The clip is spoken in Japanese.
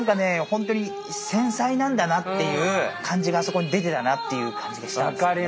本当に繊細なんだなっていう感じがそこに出てたなっていう感じがしたんですね。